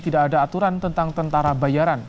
tidak ada aturan tentang tentara bayaran